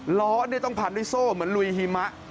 ล้อต้องพันด้วยโซ่เหมือนลุยหิมะ